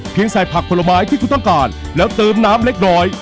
ใส่ผักผลไม้ที่คุณต้องการแล้วเติมน้ำเล็กน้อย